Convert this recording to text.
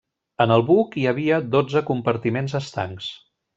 En el buc hi havia dotze compartiments estancs.